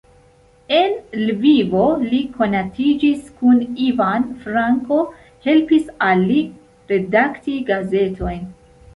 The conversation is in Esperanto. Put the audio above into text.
En Lvivo li konatiĝis kun Ivan Franko, helpis al li redakti gazetojn.